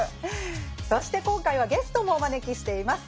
そして今回はゲストもお招きしています。